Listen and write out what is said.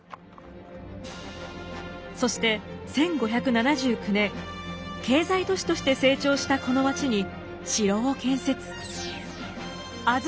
そして１５７９年経済都市として成長したこの街に城を建設。